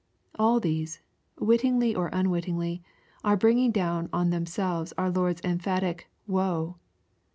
All these, wittingly or unwittingly, are bringing down on ihcn^selves our Lord's emphatic " woe."